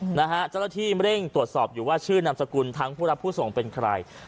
เจ้าหน้าที่เร่งตรวจสอบชื่อนามสกุลทั้งผู้รับผู้ส่งใคร